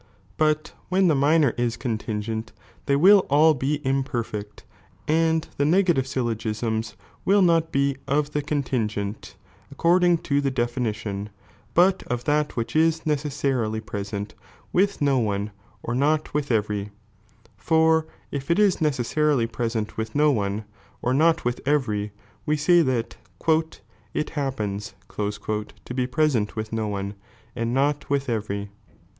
But when the mi ^P^^'' "" nor {is contingent) they will all bo imperfect, and the negative syllogisms will not beofthecontingent, according to the definition, but of that which is necessarily present with no one or not with every ; for if it is necessarily present with no one, or not with every, we sny that " it hap pens " to be present with no one and not with every.